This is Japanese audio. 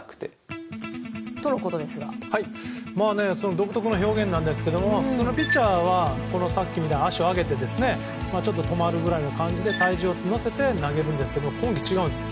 独特の表現なんですが普通のピッチャーは足を上げてちょっと止まるぐらいの感じで体重を使って投げるんですけど今季、違うんです。